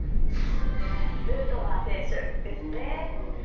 ヌートバー選手ですね。